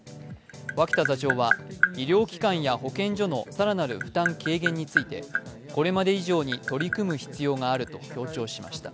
脇田座長は医療機関や保健所の更なる負担軽減についてこれまで以上に取り組む必要があると強調しました。